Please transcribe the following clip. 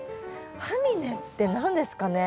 ハミネって何ですかね？